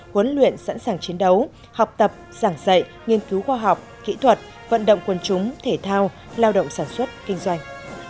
huấn luyện sẵn sàng chiến đấu học tập giảng dạy nghiên cứu khoa học kỹ thuật vận động quân chúng thể thao lao động sản xuất kinh doanh